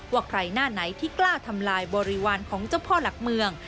ว่าใครหน้าไหนที่กล้าทำลายบริวารของเจ้าพ่อหลักเมือง